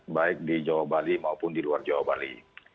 baik di jawa bali maupun di luar jawa bali